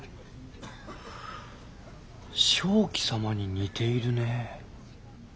鍾馗様に似ているねえ。